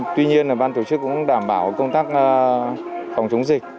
tuy nhiên ban tổ chức cũng đảm bảo công tác phòng chống dịch